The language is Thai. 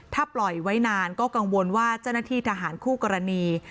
ถ้าปล่อยไว้นานก็กังวลว่าเจ้าหน้าที่ทหารคู่กรณี